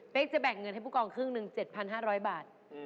เป็นจะแบ่งเงินให้ผู้กองครึ่งหนึ่ง๗๕๐๐บาท